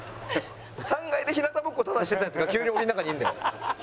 ３階で日向ぼっこただしてたヤツが急に檻の中にいるんだよ？